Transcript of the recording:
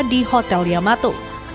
yang di hotel yamato